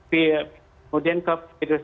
kemudian ke virus